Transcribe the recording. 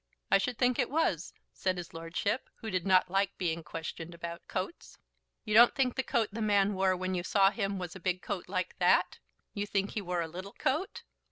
"I should think it was," said his lordship, who did not like being questioned about coats. "You don't think the coat the man wore when you saw him was a big coat like that? You think he wore a little coat?"